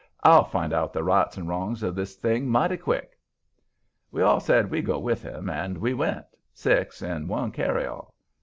"I'll find out the rights and wrongs of this thing mighty quick." We all said we'd go with him, and we went, six in one carryall.